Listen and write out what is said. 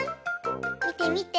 みてみて。